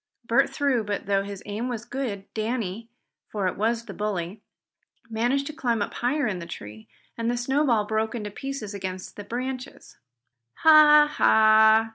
Bert threw, but though his aim was good, Danny, for it was the bully, managed to climb up higher in the tree, and the snowball broke into pieces against the branches. "Ha! Ha!"